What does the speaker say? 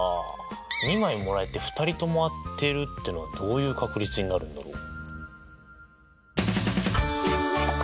２枚もらえて２人とも当てるっていうのはどういう確率になるんだろう？